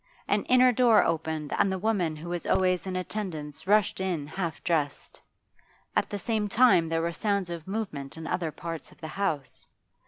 An inner door opened and the woman who was always in attendance rushed in half dressed. At the same time there were sounds of movement in other parts of the house.